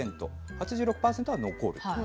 ８６％は残ると。